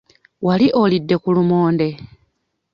Wali olidde ku lumonde?